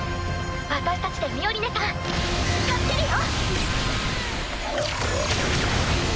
私たちでミオリネさん助けるよ。